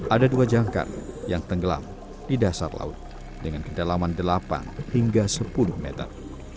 ada dua jangkar yang tenggelam di dasar laut dengan kedalaman delapan hingga sepuluh meter